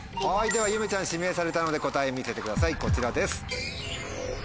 ではゆめちゃん指名されたので答え見せてくださいこちらです。